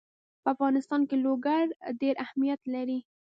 په افغانستان کې لوگر ډېر اهمیت لري.